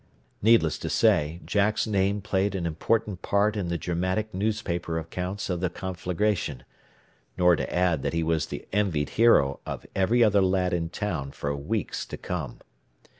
Needless to say, Jack's name played an important part in the dramatic newspaper accounts of the conflagration nor to add that he was the envied hero of every other lad in town for weeks to come.